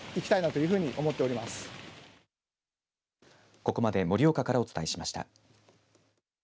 ここまで盛岡からお伝えしました。